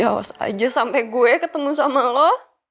awas aja sampe gue ketemu sama lo